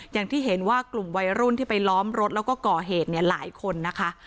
อย่างที่เห็นว่ากลุ่มวัยรุ่นที่ไปล้อมรถแล้วก็ก่อเหตุเนี่ยหลายคนนะคะ